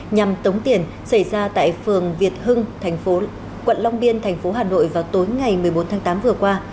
nhằm tống tiền xảy ra tại phường việt hưng quận long biên tp hà nội vào tối ngày một mươi bốn tháng tám vừa qua